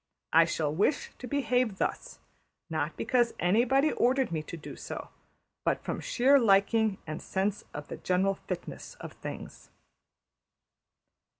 I shall wish to behave thus, not because anybody ordered me to do so, but from sheer liking and sense of the general fitness of things.''